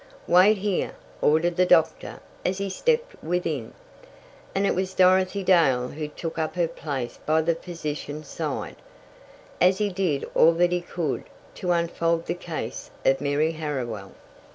"Wait here," ordered the doctor as he stepped within. And it was Dorothy Dale who took up her place by the physician's side, as he did all that he could to unfold the case of Mary Harriwell.